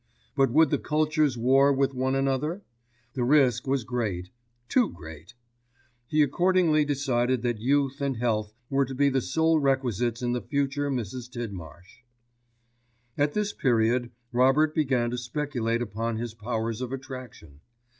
But would the cultures war with one another? The risk was great, too great. He accordingly decided that youth and health were to be the sole requisites in the future Mrs. Tidmarsh. At this period Robert began to speculate upon his powers of attraction.